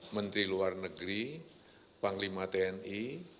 menteri luar negeri panglima tni